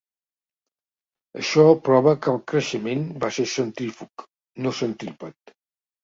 Això prova que el creixement va ser centrífug, no centrípet.